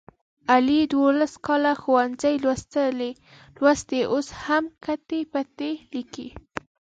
علي دوولس کاله ښوونځی لوستی اوس هم کتې پتې لیکي.